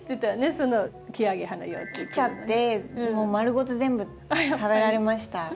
そのキアゲハの幼虫。来ちゃってもう丸ごと全部食べられました。